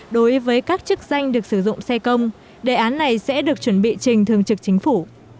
đối với các chức danh được sử dụng xe công đề án này sẽ được chuẩn bị trình thường trực chính phủ